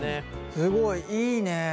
すごいいいね。